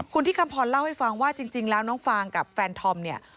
คุณที่คำพรเล่าให้ฟังว่าจริงแล้วน้องฟางกับแฟนธอมเนี่ย